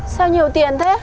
sao nhiều tiền thế